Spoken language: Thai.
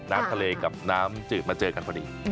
น้ำทะเลกับน้ำจืดมาเจอกันพอดี